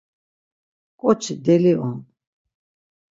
ǩoçi deli on.